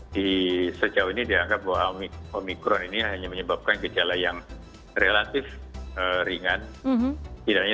di sejauh ini dianggap bahwa omikron ini hanya menyebabkan gejala yang relatif ringan